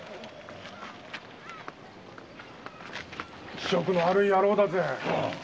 気色の悪い野郎だぜ。